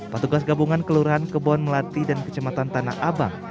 petugas gabungan kelurahan kebon melati dan kecematan tanah abang